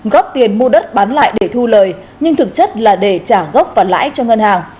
góp tiền mua đất bán lại để thu lời nhưng thực chất là để trả gốc và lãi cho ngân hàng